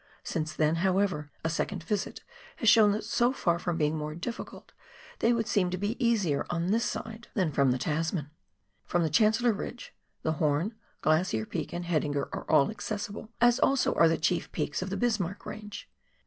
Since then, however, a second visit has shown that so far from being more difficult, they would seem to be easier on this side than from FOX GLACIER. 125 the Tasman. From the Chancellor Kidge, the Horn, Glacier Peak, and Haidinger are all accessible, as also are the chief peaks of the Bismarck Range.